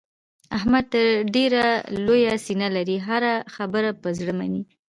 احمد ډېره لویه سینه لري. هره خبره په زړه مني.